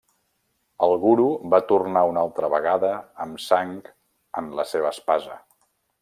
El Guru va tornar una altra vegada amb sang en la seva espasa.